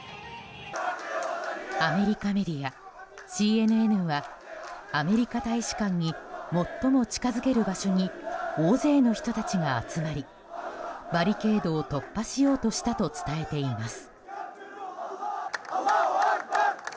アメリカメディアＣＮＮはアメリカ大使館に最も近づける場所に大勢の人たちが集まりバリケードを突破しようとしたと伝えています。